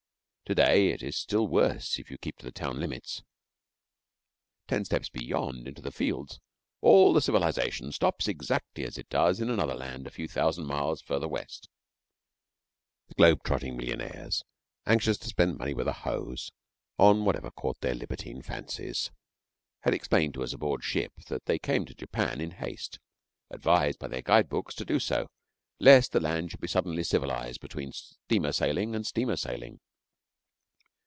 To day it is still worse if you keep to the town limits. Ten steps beyond into the fields all the civilisation stops exactly as it does in another land a few thousand miles further West. The globe trotting, millionaires anxious to spend money, with a nose on whatever caught their libertine fancies, had explained to us aboard ship that they came to Japan in haste, advised by their guide books to do so, lest the land should be suddenly civilised between steamer sailing and steamer sailing.